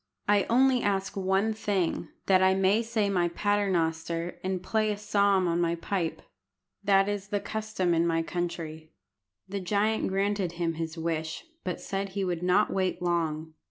I only ask one thing, that I may say my Paternoster and play a psalm on my pipe. That is the custom in my country." The giant granted him his wish, but said he would not wait long.